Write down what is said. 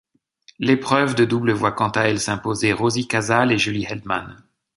L'épreuve de double voit quant à elle s'imposer Rosie Casals et Julie Heldman.